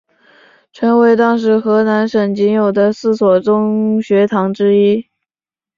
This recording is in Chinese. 成为当时河南省仅有的四所中学堂之一。